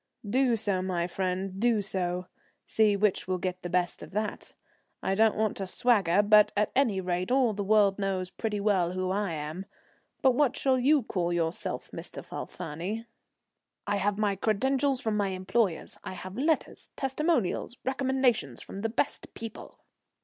"Do so, my friend, do so. See which will get the best of that. I don't want to swagger, but at any rate all the world knows pretty well who I am; but what shall you call yourself, Mr. Falfani?" "I have my credentials from my employers; I have letters, testimonials, recommendations from the best people."